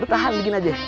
lu tahan begini aja